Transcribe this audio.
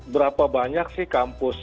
berapa banyak sih kampus